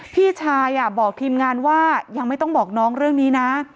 พี่ชายบอกทีมงานว่ายังไม่ต้องบอกน้องเรื่องนี้นะ